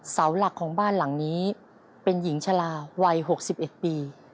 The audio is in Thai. เสาหลักของบ้านหลังนี้เป็นหญิงชะลาวัย๖๑ปี